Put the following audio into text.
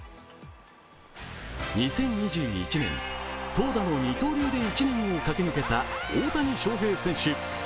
２０２１年、投打の二刀流で１年を駆け抜けた大谷翔平選手。